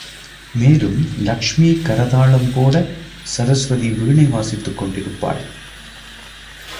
மேலும் லக்ஷ்மி கரதாளம் போட, சரஸ்வதி வீணை வாசித்துக் கொண்டிருப்பாள்.